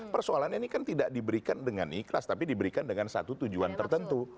persoalan ini kan tidak diberikan dengan ikhlas tapi diberikan dengan satu tujuan tertentu